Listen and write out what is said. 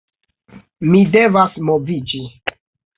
Mi devas moviĝi